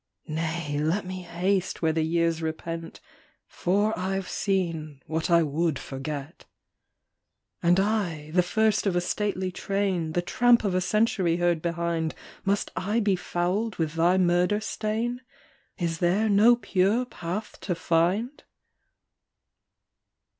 " Nay, let me haste where the years repent, For I ve seen what I would forget." " And I, the first of a stately train, The tramp of a century heard behind, Must I be fouled with thy murder stain? Is there no pure path to find?